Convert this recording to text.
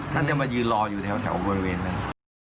ท่านจะมายืนรออยู่แถวบริเวณนั้น